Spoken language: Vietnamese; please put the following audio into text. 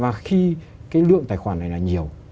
và khi cái lượng tài khoản này là nhiều